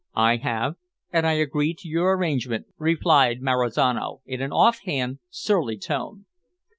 "I have, and I agree to your arrangement," replied Marizano, in an off hand, surly tone.